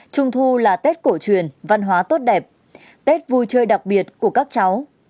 trung thu là tết cổ truyền văn hóa tốt đẹp tết vui chơi đặc biệt của các cháu